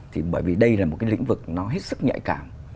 thì bởi vì đây là một cái lĩnh vực nó hết sức nhạy cảm